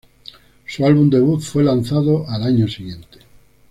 Su álbum debut fue lanzado al año siguiente.